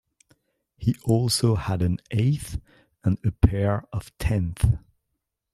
He also had an eighth and a pair of tenths.